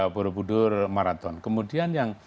burbudur marathon kemudian yang